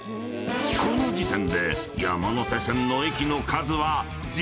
［この時点で山手線の駅の数は］